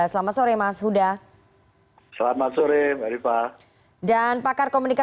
selamat sore mas huda